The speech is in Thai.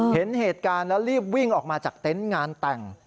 เห็นเหตุการณ์แล้วรีบวิ่งออกมาจากเต็นต์งานแต่ง